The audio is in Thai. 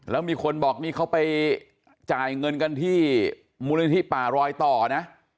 แล้วมีคนบอกนี่เขาไปจ่ายเงินกันที่มูลนิธิป่ารอยต่อนะ